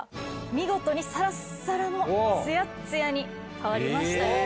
見事にサラッサラのツヤッツヤに変わりましたよね。